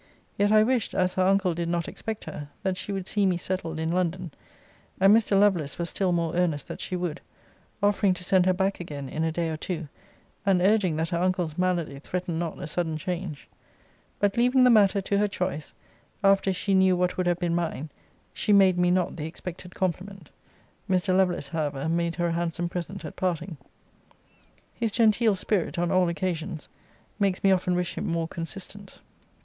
Yet I wished, as her uncle did not expect her, that she would see me settled in London; and Mr. Lovelace was still more earnest that she would, offering to send her back again in a day or two, and urging that her uncle's malady threatened not a sudden change. But leaving the matter to her choice, after she knew what would have been mine, she made me not the expected compliment. Mr. Lovelace, however, made her a handsome present at parting. His genteel spirit, on all occasions, makes me often wish him more consistent.